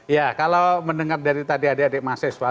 ya kalau mendengar dari tadi adik adik mahasiswa